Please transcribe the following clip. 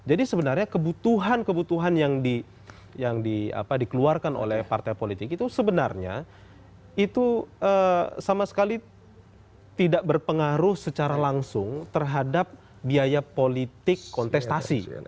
jadi sebenarnya kebutuhan kebutuhan yang dikeluarkan oleh partai politik itu sebenarnya itu sama sekali tidak berpengaruh secara langsung terhadap biaya politik kontestasi